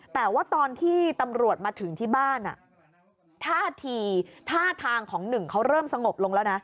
แต่ว่าตอนที่ตำรวจมาถึงที่บ้านท่าทีท่าทางของหนึ่งเขาเริ่มสงบลงแล้วนะ